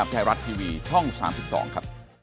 สวัสดีครับ